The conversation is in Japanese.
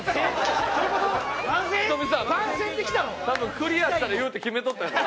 多分クリアしたら言うって決めとったんやな。